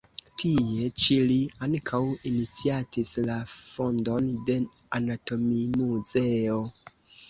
Tie ĉi li ankaŭ iniciatis la fondon de anatomimuzeo.